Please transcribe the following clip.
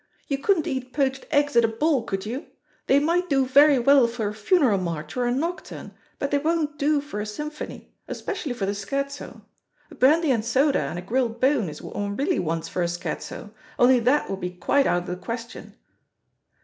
You couldn't eat poached eggs at a ball could you? They might do very well for a funeral march or a nocturne, but they won't do for a symphony, especially for the scherzo. A brandy and soda and a grilled bone is what one really wants for a scherzo, only that would be quite out of the question."